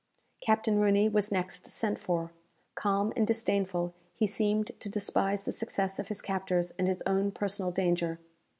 Captain Rooney was next sent for. Calm and disdainful, he seemed to despise the success of his captors and his own personal danger.